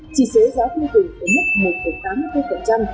chỉ xế giáo thương tình tới mức một tám mươi bốn